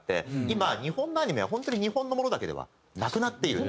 今日本のアニメは本当に日本のものだけではなくなっている。